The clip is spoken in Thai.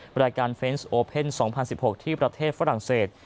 รายการเฟนซ์โอเพ่น๒๐๑๖ที่ประเทศฝรั่งเศส